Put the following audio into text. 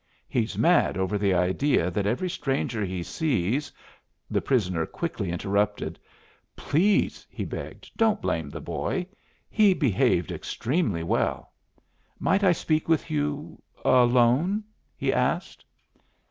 He's mad over the idea that every stranger he sees " The prisoner quickly interrupted. "Please!" he begged, "don't blame the boy. He behaved extremely well. Might I speak with you alone?" he asked.